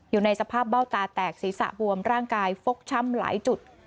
อยู่ในสภาพเบ้าตาแตกศีรษะบวมร่างกายฟกช้ำหลายจุด